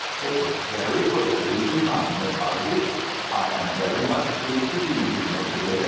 " It was very good of you to come. Miss Hardy." " I am very much pleased to be here, Mr. Wiggin."